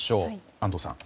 安藤さん。